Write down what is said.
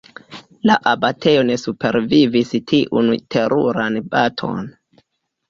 La abatejo ne supervivis tiun teruran baton.